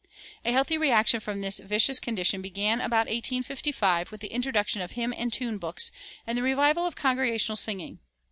A healthy reaction from this vicious condition began about 1855, with the introduction of hymn and tune books and the revival of congregational singing.